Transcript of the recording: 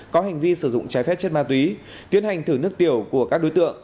có hành vi sử dụng trái phép chất ma túy tiến hành thử nước tiểu của các đối tượng